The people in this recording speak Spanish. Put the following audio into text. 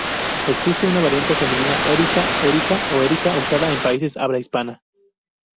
Existe una variante femenina Erica, Erika o Érica, usada en países de habla hispana.